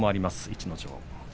逸ノ城。